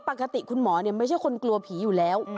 ปกติคุณหมอไม่ใช่คนกลัวผีอยู่แล้ว